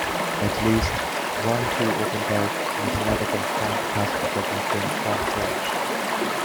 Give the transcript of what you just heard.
At least one free OpenType mathematical font has been developed in FontForge.